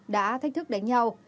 đã thách thức đánh nhau